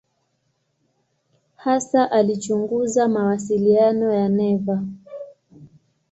Hasa alichunguza mawasiliano ya neva.